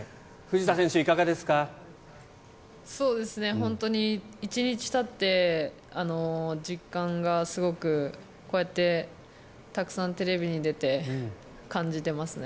本当に１日たって実感がすごくこうやってたくさん、テレビに出て感じてますね。